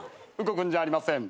動くんじゃありません。